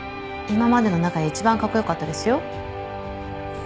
今までの中で一番カッコ良かったですよ。